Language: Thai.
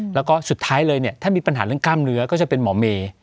แล้วก็สุดท้ายเลยเนี่ยถ้ามีปัญหาเรื่องกล้ามเนื้อก็จะเป็นหมอเมย์